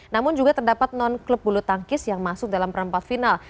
namun juga terdapat non klub bulu tangkis yang masuk dalam perempat final